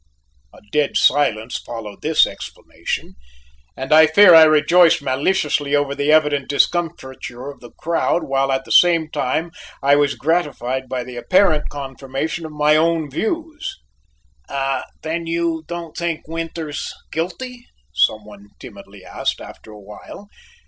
A dead silence followed this explanation, and I fear I rejoiced maliciously over the evident discomfiture of the crowd while at the same time I was gratified by the apparent confirmation of my own views. "Then you don't think Winters guilty?" some one timidly asked, after a while.